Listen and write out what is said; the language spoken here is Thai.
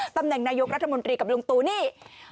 ตำแหน่งนายกรัฐมนตรีกับลุงตูนี่